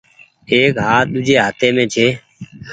ايڪ هآت ۮوجھي هآتي مين ڇي۔